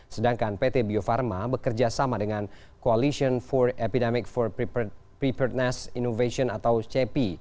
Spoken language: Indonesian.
sedangkan pt bio pharma bekerjasama dengan coalition for epidemic preparation innovation atau cp